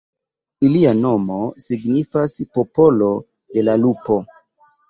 Ilia nomo signifas "popolo de la lupo".